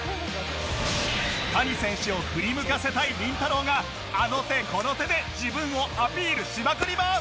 谷選手を振り向かせたいりんたろー。があの手この手で自分をアピールしまくります！